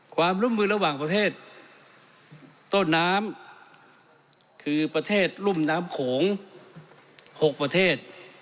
ความร่วมมือระหว่างประเทศต้นน้ำคือประเทศรุ่มน้ำโขง๖ประเทศ